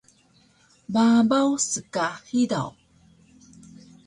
Babaw ska hidaw